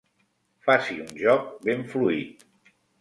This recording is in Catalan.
Faci un joc ben fluid.